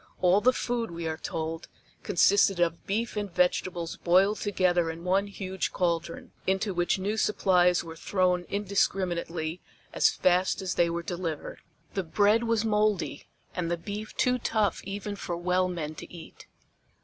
All the food, we are told, consisted of beef and vegetables boiled together in one huge caldron, into which new supplies were thrown indiscriminately as fast as they were delivered. The bread was moldy and the beef too tough even for well men to eat.